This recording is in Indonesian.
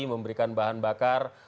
memberikan bahan bakar